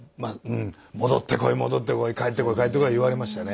戻ってこい戻ってこい帰ってこい帰ってこい言われましてね。